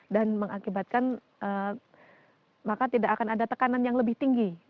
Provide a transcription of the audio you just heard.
dan mengakibatkan maka tidak akan ada tekanan yang lebih tinggi